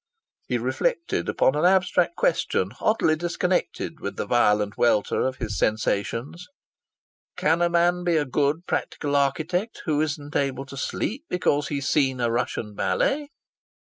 He reflected upon an abstract question oddly disconnected with the violent welter of his sensations: "Can a man be a good practical architect who isn't able to sleep because he's seen a Russian Ballet?"